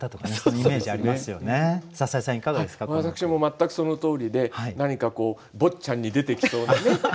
私も全くそのとおりで何か「坊っちゃん」に出てきそうなね